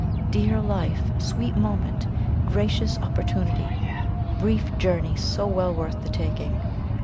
Dear Life! sweet Moment! gracious Opportunity! brief Journey so well worth the taking!